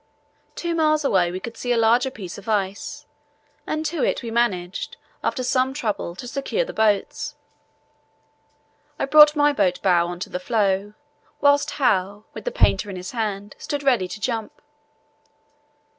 Two miles away we could see a larger piece of ice, and to it we managed, after some trouble, to secure the boats. I brought my boat bow on to the floe, whilst Howe, with the painter in his hand, stood ready to jump.